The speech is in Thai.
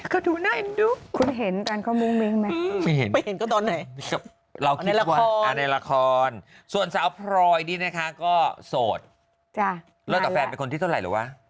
ก็ดูนั่นดู